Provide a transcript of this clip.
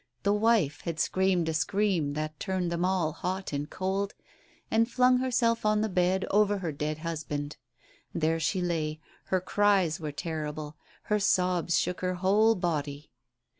The wife had screamed a scream that had turned them all hot and cold — and flung herself on the bed over her dead hus band. There she lay; her cries were terrible, her sobs shook her whole body.